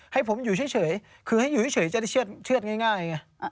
ให้ผมอยู่เฉยคือให้อยู่เฉยจะได้เชื่อดง่ายไง